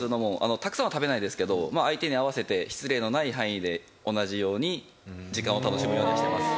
たくさんは食べないですけど相手に合わせて失礼のない範囲で同じように時間を楽しむようにはしてます。